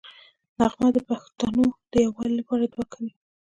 نغمه د پښتنو د یووالي لپاره دوعا کوي